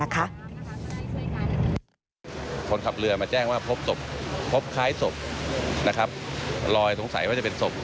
คนขับเรือมาแจ้งว่าพบสมพบคลายสมน่ะครับรอยสงสัยว่าจะเป็นสม